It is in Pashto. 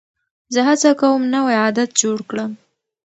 زه هڅه کوم نوی عادت جوړ کړم.